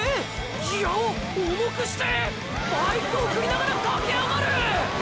⁉ギアを⁉重くして⁉バイクを振りながら駆け上がる！！